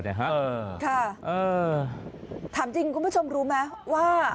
ค่ะถามจริงคุณผู้ชมรู้ไหมว่า